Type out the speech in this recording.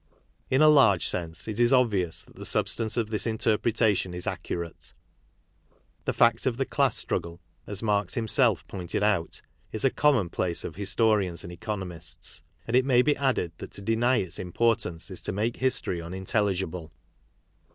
In a large sense, it is obvious that the substance of this interpretation is accurate. The fact of the class struggle, as Marx himself pointed out, is a common place of historians and economists ; and it may be added that to deny its importance is to make history unin telligible.